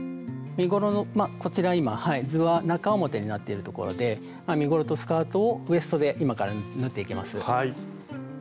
こちら今図は中表になっているところで身ごろとスカートをウエストで今から縫っていきます。